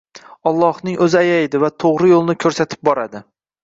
Ollohning o‘zi ayaydi va to‘g‘ri yo‘lni ko‘rsatib boradi.